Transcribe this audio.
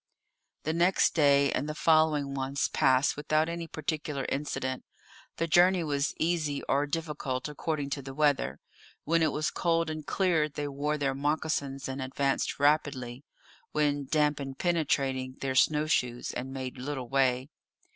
The next day and the following ones passed without any particular incident; the journey was easy or difficult according to the weather; when it was cold and clear they wore their moccasins and advanced rapidly, when damp and penetrating, their snow shoes, and made little way.